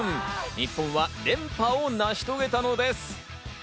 日本は連覇を成し遂げたのです。